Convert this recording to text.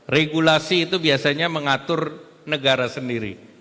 regulasi itu biasanya mengatur negara sendiri